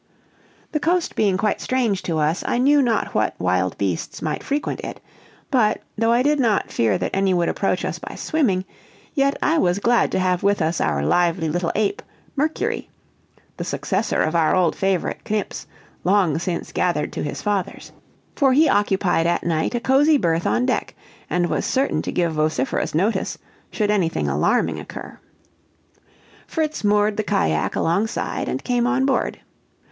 The coast being quite strange to us, I knew not what wild beasts might frequent it; but, though I did not fear that any would approach us by swimming, yet I was glad to have with us our lively little ape, Mercury (the successor of our old favorite, Knips, long since gathered to his fathers), for he occupied at night a cosy berth on deck, and was certain to give vociferous notice should anything alarming occur. Fritz moored the cajack alongside, and came on board.